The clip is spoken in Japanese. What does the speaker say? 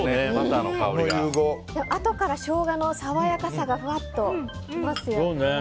あとからショウガの爽やかさがふわっときますよね。